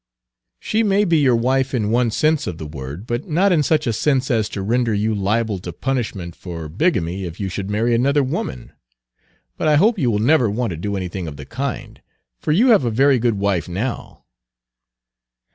"She may be your wife in one sense of the word, but not in such a sense as to render you liable to punishment for bigamy if you should marry another woman. But I hope you will never want to do anything of the kind, for you have a very good wife now."